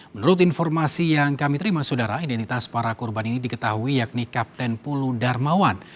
menurut informasi yang kami terima saudara identitas para korban ini diketahui yakni kapten pulu darmawan